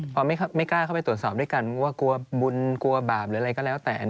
พอไม่กล้าเข้าไปตรวจสอบด้วยกันว่ากลัวบุญกลัวบาปหรืออะไรก็แล้วแต่